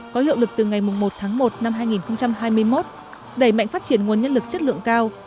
có hiệu lực từ ngày một tháng một năm hai nghìn hai mươi một đẩy mạnh phát triển nguồn nhân lực chất lượng cao